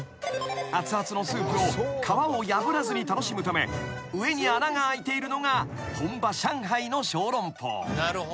［あつあつのスープを皮を破らずに楽しむため上に穴が開いているのが本場上海の小籠包］